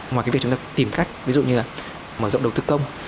ngoài cái việc chúng ta tìm cách ví dụ như là mở rộng đầu tư công